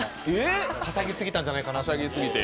はしゃぎ過ぎたんじゃないかなって。